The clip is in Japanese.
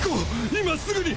今すぐに！